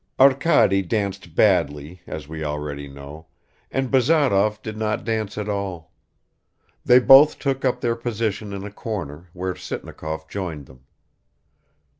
Arkady danced badly, as we already know, and Bazarov did not dance at all. They both took up their position in a corner, where Sitnikov joined them.